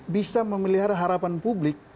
bisa memelihara harapan publik